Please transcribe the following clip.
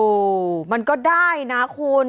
อู้วมันก็ได้นะคุณ